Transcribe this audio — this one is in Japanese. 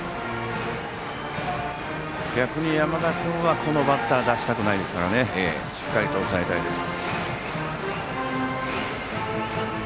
逆に山田君はこのバッター出したくないですからしっかりと抑えたいです。